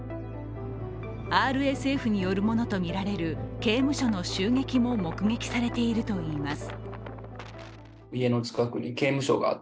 ＲＳＦによるものとみられる刑務所の襲撃も目撃されているといいます。